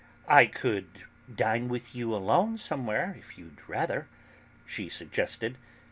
"I could dine with you alone somewhere, if you'd rather," she suggested.